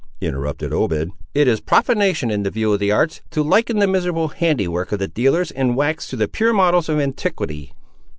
interrupted Obed; "it is profanation, in the view of the arts, to liken the miserable handy work of the dealers in wax to the pure models of antiquity!"